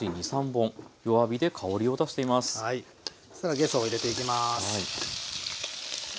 そしたらげそを入れていきます。